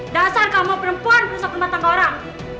dasar kamu perempuan rusak rumah tangga orang